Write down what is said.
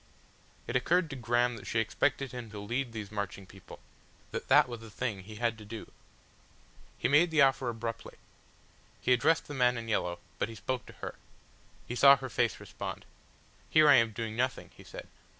It occurred to Graham that she expected him to lead these marching people, that that was the thing he had to do. He made the offer abruptly. He addressed the man in yellow, but he spoke to her. He saw her face respond. "Here I am doing nothing," he said.